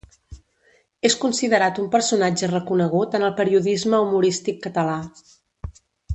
És considerat un personatge reconegut en el periodisme humorístic català.